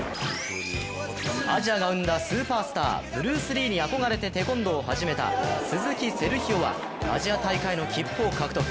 アジアが生んだスーパースターブルース・リーに憧れてテコンドーを始めた鈴木セルヒオはアジア大会の切符を獲得。